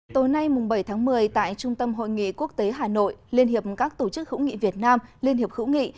tối nay bảy tháng một mươi tại trung tâm hội nghị quốc tế hà nội liên hiệp các tổ chức hữu nghị việt nam liên hiệp hữu nghị